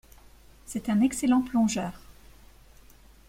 C'est un excellent plongeur.